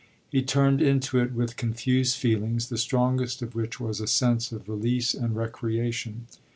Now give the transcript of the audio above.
He turned into it with confused feelings, the strongest of which was a sense of release and recreation.